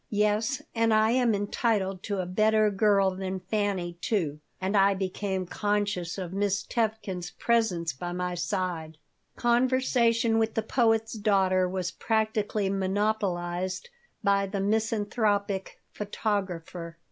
"Yes, and I am entitled to a better girl than Fanny, too." And I became conscious of Miss Tevkin's presence by my side Conversation with the poet's daughter was practically monopolized by the misanthropic photographer.